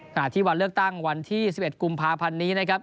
ขณะที่วันเลือกตั้งวันที่๑๑กุมภาพันธ์นี้นะครับ